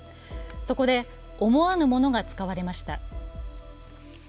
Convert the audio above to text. そこで思わぬものが使われました。